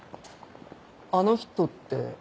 あの人って。